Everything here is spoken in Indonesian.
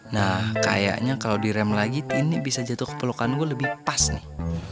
nah kayaknya kalau direm lagi ini bisa jatuh ke pelukan gue lebih pas nih